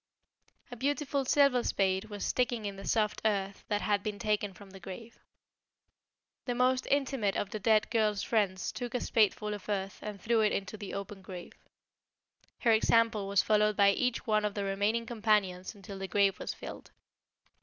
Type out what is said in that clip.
A beautiful silver spade was sticking in the soft earth that had been taken from the grave. The most intimate of the dead girls friends took a spadeful of earth and threw it into the open grave. Her example was followed by each one of the remaining companions until the grave was filled.